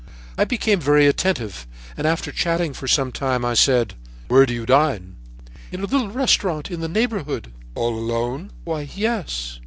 "I became very attentive and, after chatting for some time, I said: "'Where do you dine?' "'In a little restaurant in the neighborhood: "'All alone?' "'Why, yes.'